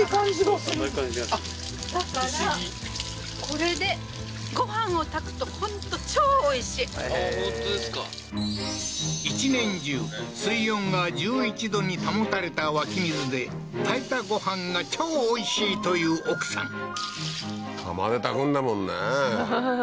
これあっ本当ですか一年中水温が１１℃に保たれた湧き水で炊いたご飯が超おいしいという奥さん釜で炊くんだもんね